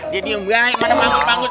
dia diam diam mana manggih manggih